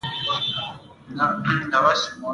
د خټین کور د سپین دېوال غاړې ته موږ ناست وو